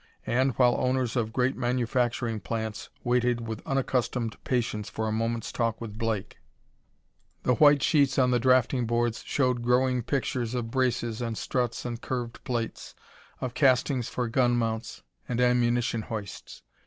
And, while owners of great manufacturing plants waited with unaccustomed patience for a moment's talk with Blake, the white sheets on the drafting boards showed growing pictures of braces and struts and curved plates, of castings for gun mounts, and ammunition hoists.